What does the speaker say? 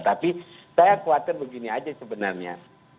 tapi saya khawatir begini aja sebenarnya